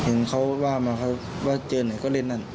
เห็นเขาว่ามาเขาว่าเจอไหนก็เล่นนั่น